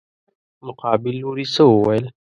مقابل لوري څه وويل.